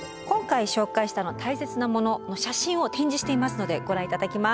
今回紹介した「たいせつなもの」の写真を展示していますのでご覧頂きます。